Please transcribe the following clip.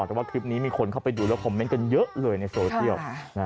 แต่ว่าคลิปนี้มีคนเข้าไปดูแล้วคอมเมนต์กันเยอะเลยในโซเชียล